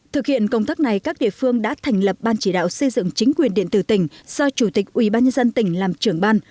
thực hiện công tác này các địa phương đã thành lập ban chỉ đạo xây dựng chính quyền điện tử tỉnh do chủ tịch ubnd tỉnh làm trưởng ban